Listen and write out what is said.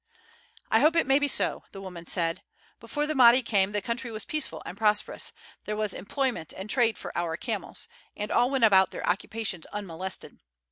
"I hope it may be so," the woman said; "before the Mahdi came the country was peaceful and prosperous; there was employment and trade for our camels, and all went about their occupations unmolested.